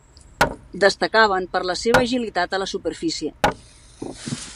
Destacaven per la seva agilitat a la superfície.